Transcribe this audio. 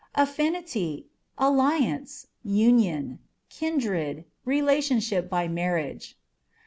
Affinity â€" alliance, union ; kindred, relationship by marriage.